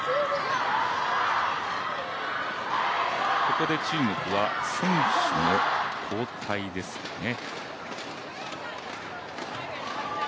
ここで中国は選手の交代ですかね。